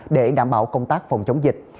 để đảm bảo công tác phòng chống dịch